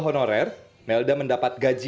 honorer melda mendapat gaji